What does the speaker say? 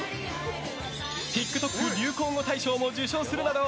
ＴｉｋＴｏｋ流行語大賞も受賞するなど